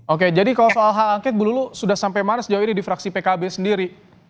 oke jadi kalau soal hak angket bulu sudah sampai mana sejauh ini di fraksi pkb sendiri